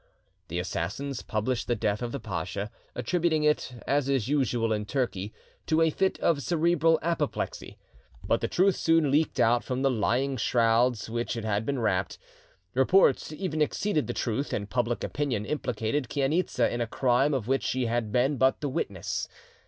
The assassins published the death of the pacha, attributing it, as is usual in Turkey, to a fit of cerebral apoplexy. But the truth soon leaked out from the lying shrouds in which it had been wrapped. Reports even exceeded the truth, and public opinion implicated Chainitza in a crime of which she had been but the witness.